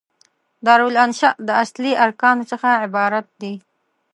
دارالانشأ د اصلي ارکانو څخه عبارت دي.